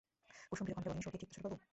কুসুম ভীরুকষ্ঠে বলে, সর্দি ঠিক তো ছোটবাবু?